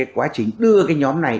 quá trình đưa nhóm này